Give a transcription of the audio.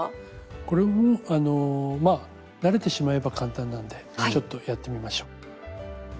これもあのまあ慣れてしまえば簡単なんでちょっとやってみましょう。